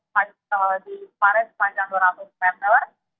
masih di paren sepanjang dua ratus meter